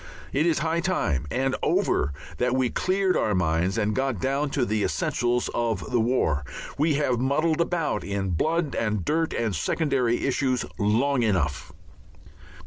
It is high time, and over, that we cleared our minds and got down to the essentials of the war. We have muddled about in blood and dirt and secondary issues long enough.